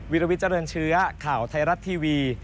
วิลวิทเจริญเชื้อข่าวไทยรัฐทีวี